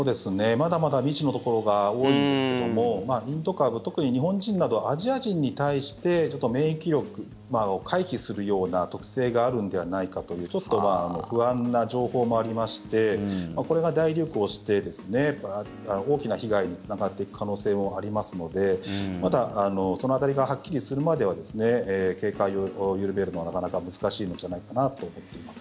まだまだ未知のところが多いんですけどもインド株特に日本人などアジア人に対してちょっと免疫力を回避するような特性があるのではないかというちょっと不安な情報もありましてこれが大流行して大きな被害につながっていく可能性もありますのでまだ、その辺りがはっきりするまでは警戒を緩めるのはなかなか難しいんじゃないかなと思っています。